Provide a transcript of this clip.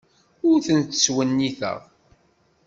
Ur ten-ttwenniteɣ.